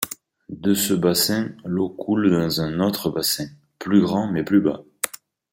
De ce bassin, l'eau coule dans un autre bassin, plus grand mais plus bas.